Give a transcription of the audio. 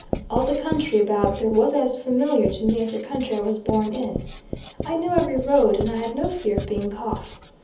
All the country about there was as familiar to me as the county I was born in. I knew every road, and I had no fear of being caught.